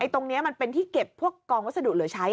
ตรงนี้มันเป็นที่เก็บพวกกองวัสดุเหลือใช้